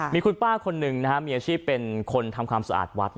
มีคุณป้าคนหนึ่งมีอาชีพเป็นคนทำความสะอาดวัด